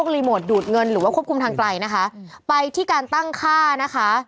รีโมทดูดเงินหรือว่าควบคุมทางไกลนะคะไปที่การตั้งค่านะคะ